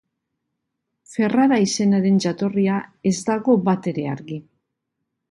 Ferrara izenaren jatorria ez dago batere argi.